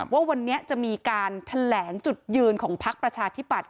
ว่าวันนี้จะมีการแถลงจุดยืนของพักประชาธิปัตย